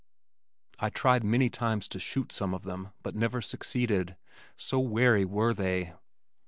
I tried many times to shoot some of them, but never succeeded, so wary were they.